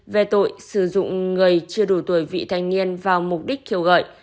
về tội sử dụng người chưa đủ tuổi vị thành niên vào mục đích khiêu gọi